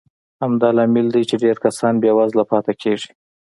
همدا لامل دی چې ډېر کسان بېوزله پاتې کېږي.